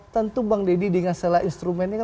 tentu bang deddy dengan salah instrumennya